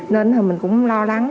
nên mình cũng lo lắng